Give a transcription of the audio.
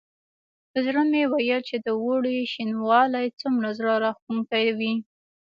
په زړه مې ویل چې د اوړي شینوالی څومره زړه راښکونکی وي.